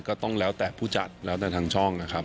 ก็แล้วแต่ผู้จัดแล้วแต่ทางช่องนะครับ